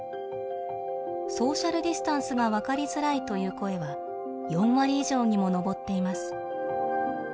「ソーシャルディスタンスがわかりづらい」という声は４割以上にも上っています。